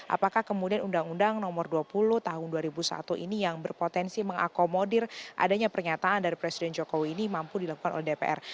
apakah kemudian undang undang nomor dua puluh tahun dua ribu satu ini yang berpotensi mengakomodir adanya pernyataan dari presiden jokowi ini mampu dilakukan oleh dpr